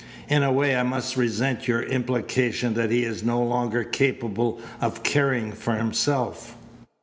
In a way I must resent your implication that he is no longer capable of caring for himself."